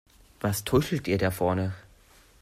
Was tuschelt ihr da vorne?